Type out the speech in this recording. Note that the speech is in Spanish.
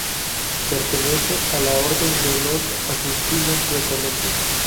Pertenece a la orden de los agustinos recoletos.